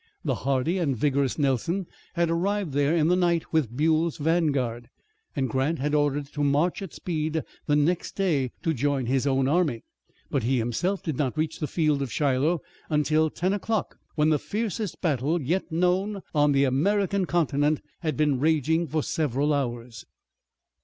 The hardy and vigorous Nelson had arrived there in the night with Buell's vanguard, and Grant had ordered it to march at speed the next day to join his own army. But he, himself, did not reach the field of Shiloh until 10 o'clock, when the fiercest battle yet known on the American continent had been raging for several hours.